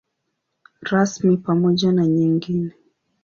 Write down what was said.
Rasmi pamoja na nyingine.